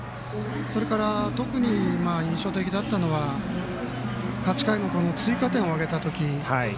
それから特に印象的だったのは８回の追加点を挙げたとき。